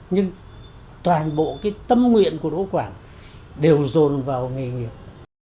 nhưng toàn bộ cái tâm nguyện của đỗ quảng đều dồn vào nghề nghiệp